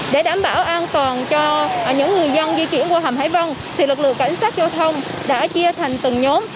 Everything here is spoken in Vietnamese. để đảm bảo an toàn cho những người dân di chuyển qua hầm hải vân lực lượng cảnh sát giao thông đã chia thành từng nhóm